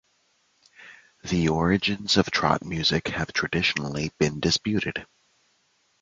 The origins of trot music have traditionally been disputed.